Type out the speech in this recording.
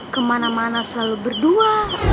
kemana mana selalu berdua